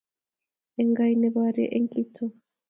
Enkai nabore enkitoo